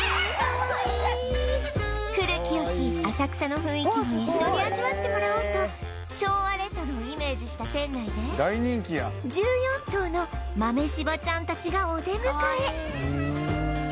古き良き浅草の雰囲気も一緒に味わってもらおうと昭和レトロをイメージした店内で１４頭の豆柴ちゃんたちがお出迎え